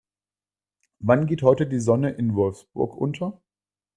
Wann geht heute die Sonne in Wolfsburg unter?